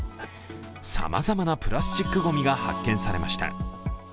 さまざまなプラスチックごみが発見されました。